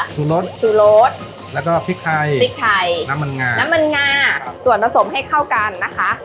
ซูรสชูรสแล้วก็พริกไทยพริกไทยน้ำมันงาน้ำมันงาส่วนผสมให้เข้ากันนะคะ